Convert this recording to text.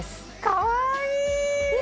かわいい！